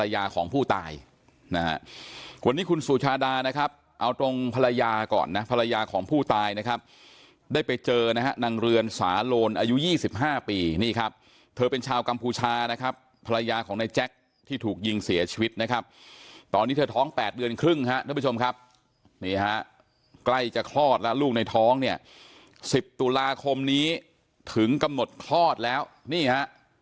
ได้ไปเจอนะฮะนางเรือนสาโลนอายุ๒๕ปีนี่ครับเธอเป็นชาวกัมพูชานะครับภรรยาของในแจ๊คที่ถูกยิงเสียชีวิตนะครับตอนนี้เธอท้อง๘เดือนครึ่งนะครับทุกผู้ชมครับนี่ฮะใกล้จะคลอดแล้วลูกในท้องเนี่ย๑๐ตุลาคมนี้ถึงกับหมดคลอดแล้วนี่ฮะ